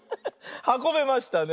はこべましたね。